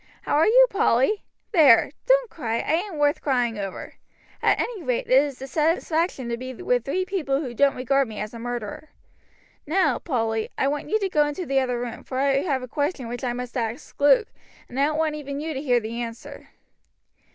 How are you, Polly? There! don't cry I ain't worth crying over. At any rate, it is a satisfaction to be with three people who don't regard me as a murderer. Now, Polly, I want you to go into the other room, for I have a question which I must ask Luke, and I don't want even you to hear the answer."